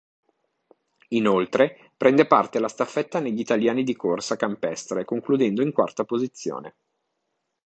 Inoltre prende parte alla staffetta negli italiani di corsa campestre concludendo in quarta posizione.